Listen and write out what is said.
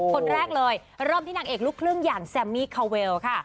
คนแรกเลยเริ่มที่นางเอกลูกครึ่งอย่างแซมมี่คาเวลค่ะ